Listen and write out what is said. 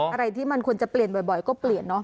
อะไรที่มันควรจะเปลี่ยนบ่อยก็เปลี่ยนเนาะ